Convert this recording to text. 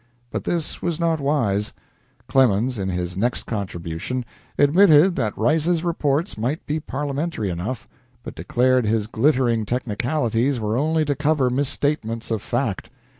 But this was not wise. Clemens, in his next contribution, admitted that Rice's reports might be parliamentary enough, but declared his glittering technicalities were only to cover misstatements of fact.